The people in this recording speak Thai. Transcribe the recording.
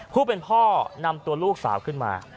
ผู้เป็นพ่อนำตัวลูกสาวขึ้นมา